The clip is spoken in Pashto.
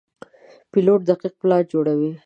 پیلوټ دقیق پلان جوړوي.